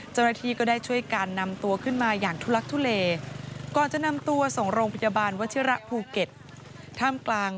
จนกระทีก็ได้ช่วยกัน